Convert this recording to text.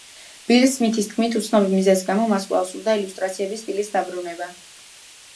ბილ სმითის თქმით, უცნობი მიზეზის გამო, მას კვლავ სურდა ილუსტრაციების სტილის დაბრუნება.